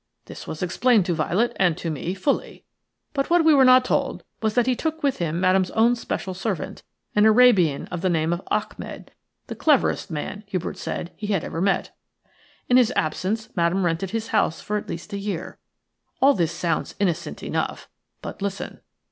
This was explained to Violet and to me fully; but what we were not told was that he took with him Madame's own special servant, an Arabian of the name of Achmed, the cleverest man, Hubert said, he had ever met. In his absence Madame rented his house for at least a year. All this sounds innocent enough; but listen.